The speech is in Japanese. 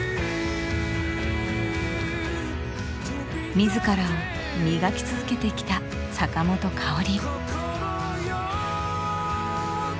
自らを磨き続けてきた坂本花織。